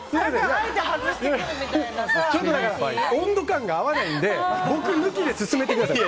温度感が合わないので僕抜きで進めてください。